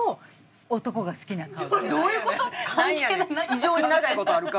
異常に長い事あるか！